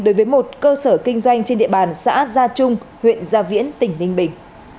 đối với một cơ sở kinh doanh trên địa bàn xã gia trung huyện gia viễn tỉnh ninh bình